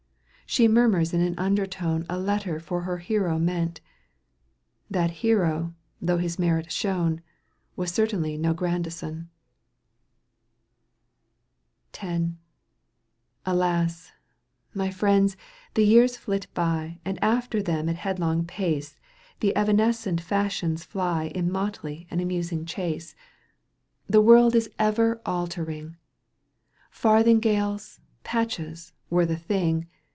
She murmurs in an undertone A letter for her hero meant : That hero, though his merit shone, Was certainly no Grandison. Alas ! my friends, the years flit by And after them at headlong pace The evanescent fashions fly In motley and amusing chase. ^« Digitized by CjOOQ 1С CANTO iiL ' EUGENE ON^GUINK 71 The world is ever altering ! Fartliiiigales, patches, were the thing.